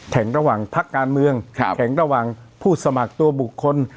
แข่งระหว่างพักการเมืองแข่งระหว่างผู้สมัครตัวบุคคล